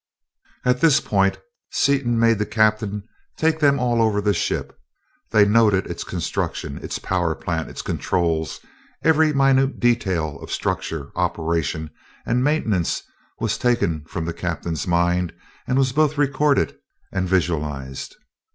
At this point Seaton made the captain take them all over the ship. They noted its construction, its power plant, its controls every minute detail of structure, operation, and maintenance was taken from the captain's mind and was both recorded and visualized.